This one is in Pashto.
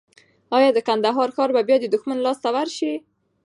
ایا د کندهار ښار به بیا د دښمن لاس ته ورشي؟